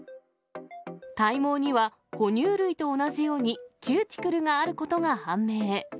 体毛には哺乳類と同じようにキューティクルがあることが判明。